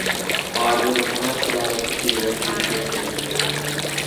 ھازىر ئۇنىڭ سالامەتلىكى ۋە كەيپىياتى ياخشى.